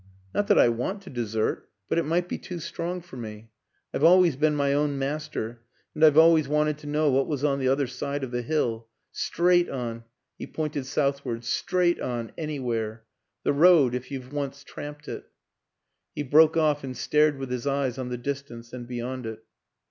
Not that I want to desert, but it might be too strong for me: I've always been my own master and I've always wanted to know what was on the other side of the hill. Straight on " he pointed southward " straight on, any where. The road if you've once tramped it "... He broke off and stared with his eyes on the distance and beyond it.